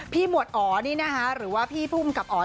พี่หมดอ๋อนี่นะคะหรือว่าพี่ผู้กำกับอ๋อ